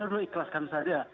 dulu ikhlaskan saja